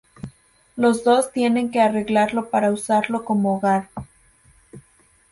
Los dos tienen que arreglarlo para usarlo como hogar.